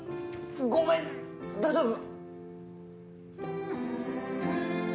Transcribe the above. ごめん大丈夫？